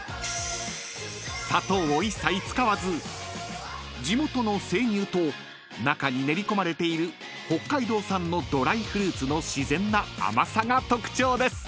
［砂糖を一切使わず地元の生乳と中に練り込まれている北海道産のドライフルーツの自然な甘さが特徴です］